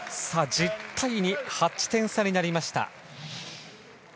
１０対２、８点差になりました。